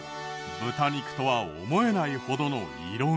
豚肉とは思えないほどの色味。